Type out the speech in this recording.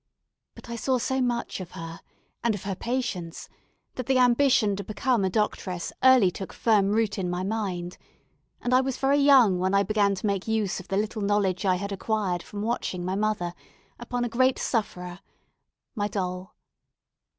But I saw so much of her, and of her patients, that the ambition to become a doctress early took firm root in my mind; and I was very young when I began to make use of the little knowledge I had acquired from watching my mother, upon a great sufferer my doll.